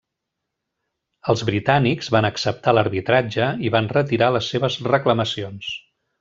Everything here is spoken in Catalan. Els britànics van acceptar l'arbitratge i van retirar les seves reclamacions.